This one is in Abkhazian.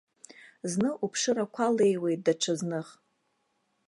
Зны уԥшыр ақәа леиуеит, даҽазных.